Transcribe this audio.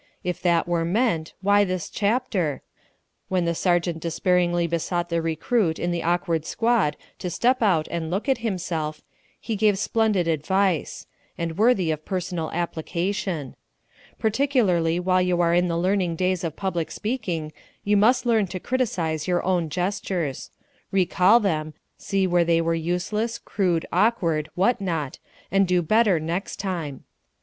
If that were meant, why this chapter? When the sergeant despairingly besought the recruit in the awkward squad to step out and look at himself, he gave splendid advice and worthy of personal application. Particularly while you are in the learning days of public speaking you must learn to criticise your own gestures. Recall them see where they were useless, crude, awkward, what not, and do better next time.